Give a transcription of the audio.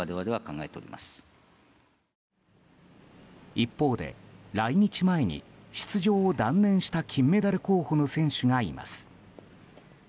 一方で来日前に出場を断念した金メダル候補の選手がいます。